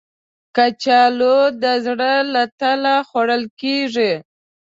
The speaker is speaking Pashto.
کچالو د زړه له تله خوړل کېږي